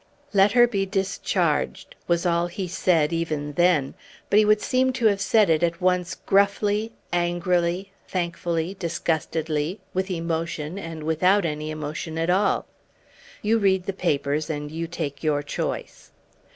"Let her be discharged," was all he said even then; but he would seem to have said it at once gruffly, angrily, thankfully, disgustedly, with emotion, and without any emotion at all. You read the papers, and you take your choice.